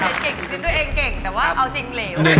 พีเซ็นต์เก่งพีเซ็นต์ตัวเองเก่งแต่ว่าเอาจริงเหลว